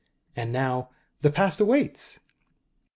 And now the Past awaits!"